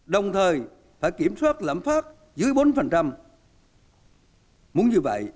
đồng thời phải kiểm soát lãnh phí